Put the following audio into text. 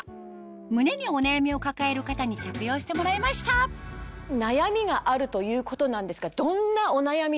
胸にお悩みを抱える方に着用してもらいました悩みがあるということなんですがどんなお悩みでしょうか？